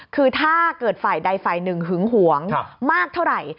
คือถ้าเกิดฝ่ายใดฝ่ายหนึ่งหึงหวงมากเท่าไหร่